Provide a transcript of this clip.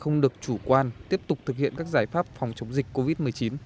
không được chủ quan tiếp tục thực hiện các giải pháp phòng chống dịch covid một mươi chín